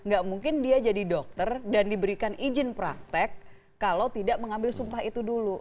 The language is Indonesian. gak mungkin dia jadi dokter dan diberikan izin praktek kalau tidak mengambil sumpah itu dulu